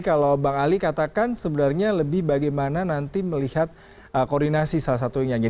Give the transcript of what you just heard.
kalau bang ali katakan sebenarnya lebih bagaimana nanti melihat koordinasi salah satunya